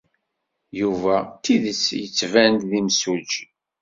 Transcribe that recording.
Yuba d tidet yettban-d d imsujji.